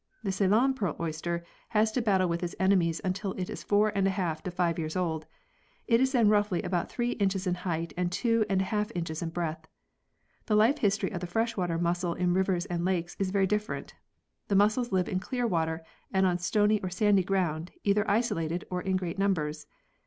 The Ceylon pearl oyster has to battle with its enemies until it is four and a half to five years old. It is then roughly about three inches in height and two and a half inches in breadth. The life history of the fresh water mussels in rivers and lakes is very different. The mussels live in clear water and on stony or sandy ground, either isolated or in great numbers.